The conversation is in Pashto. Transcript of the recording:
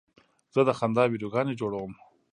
زه د خندا ویډیوګانې جوړوم.